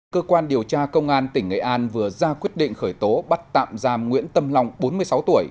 cơ quan điều tra công an tỉnh nghệ an vừa ra quyết định khởi tố bắt tạm giam nguyễn tâm long bốn mươi sáu tuổi